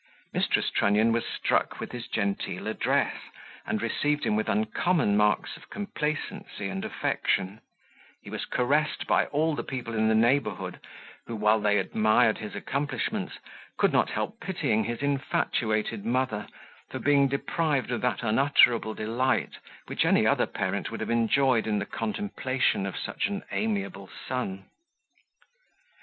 Mrs. Trunnion was struck with his genteel address, and received him with uncommon marks of complacency and affection: he was caressed by all the people in the neighbourhood, who, while they admired his accomplishments, could not help pitying his infatuated mother, for being deprived of that unutterable delight which any other parent would have enjoyed in the contemplation of such an amiable son.